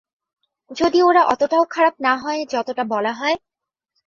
যদি ওরা অতটাও খারাপ না হয়, যতটা বলা হয়?